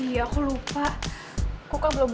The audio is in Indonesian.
kamu sudah sabar ya gitu